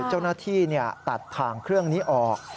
เจ้าหน้าที่ตัดถ่างเครื่องนี้ออก